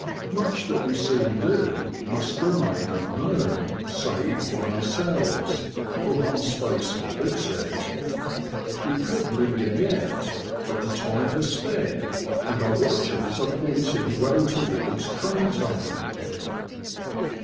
Much that we see and do must remain unknown, save by ourselves, for our space forbids it. We could linger yet, but the time has sped, and our watches are pointing well towards train time.